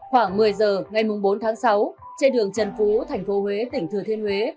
khoảng một mươi giờ ngày bốn tháng sáu trên đường trần phú thành phố huế tỉnh thừa thiên huế